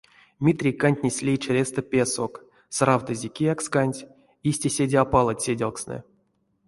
Митрий кантнесь лей чирестэ песок, сравтызе кияксканть, истя седе а палыть сэдявкстнэ.